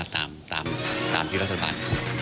ตามที่รัฐบาล